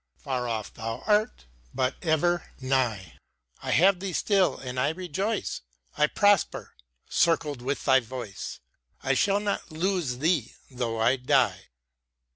Far oif thou art, but ever nigh ; I have thee still, and I rejoice ; I prosper, circled with thy voice ; I shall not lose thee tho' I die.